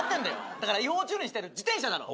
だから違法駐輪してる自転車だろ？